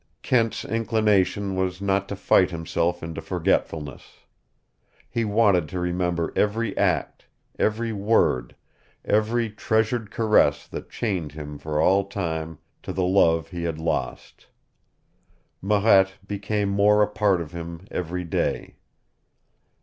Kent's inclination was not to fight himself into forgetfulness. He wanted to remember every act, every word, every treasured caress that chained him for all time to the love he had lost. Marette became more a part of him every day.